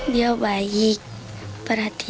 dia baik perhatian setia